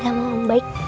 dadah mam baik